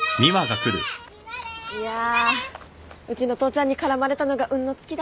いやうちの父ちゃんに絡まれたのが運の尽きだね。